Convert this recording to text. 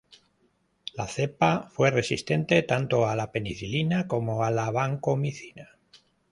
La cepa fue resistente tanto a la penicilina como a la vancomicina.